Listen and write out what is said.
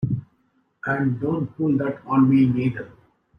And don't pull that on me neither!